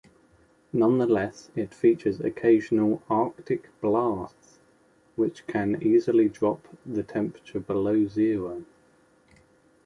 Nonetheless, it features occasional 'arctic blasts' which can easily drop the temperature below zero.